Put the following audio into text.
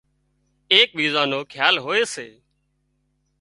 ايڪ ٻيزان نو کيال هوئي سي